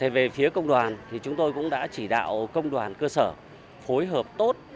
về phía công đoàn thì chúng tôi cũng đã chỉ đạo công đoàn cơ sở phối hợp tốt